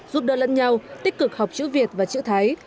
giúp đỡ lẫn nhau tích cực học chữ việt và chữ thái